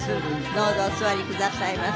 どうぞお座りくださいませ。